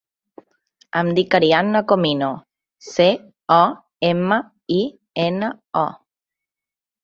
Em dic Arianna Comino: ce, o, ema, i, ena, o.